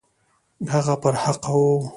هغه پر حقه وو.